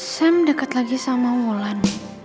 sam deket lagi sama wulan